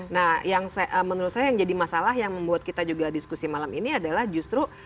nah yang menurut saya yang jadi masalah yang membuat kita juga diskusi malam ini adalah justru